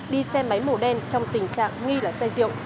đi xe máy màu đen trong tình trạng nghi là say diệu